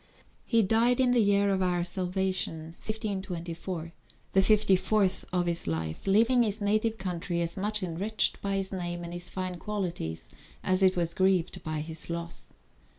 He died in the year of our salvation 1524, the fifty fourth of his life, leaving his native country as much enriched by his name and his fine qualities as it was grieved by his loss.